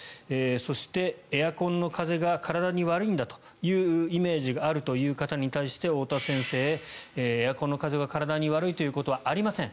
そして、エアコンの風が体に悪いんだというイメージがあるという方に対して太田先生、エアコンの風が体に悪いということはありません。